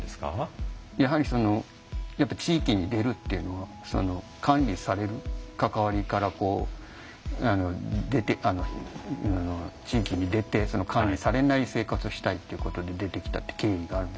やはり地域に出るっていうのは管理される関わりから地域に出て管理されない生活をしたいっていうことで出てきたって経緯がある。